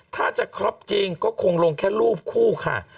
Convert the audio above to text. ถ้าจะครบจริงก็คงลงแค่รูปคู่ค่ะ